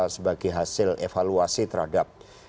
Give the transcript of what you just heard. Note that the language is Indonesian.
sebagai hasil evaluasi terhadap